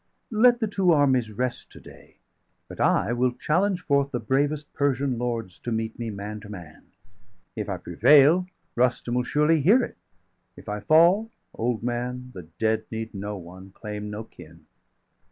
Let the two armies rest to day; but I 55 Will challenge forth the bravest Persian lords To meet me, man to man; if I prevail, Rustum will surely hear it; if I fall Old man, the dead need no one, claim no kin.